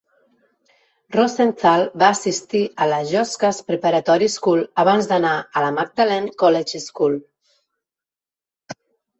Rosenthal va assistir a la Josca's Preparatory School abans d'anar a la Magdalen College School